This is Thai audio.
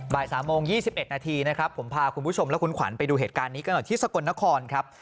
บ่าย๓โมง๒๑นาทีนะครับผมพาคุณผู้ชมและคุณขวัญไปดูเหตุการณ์นี้กันหน่อยที่สกลนครครับ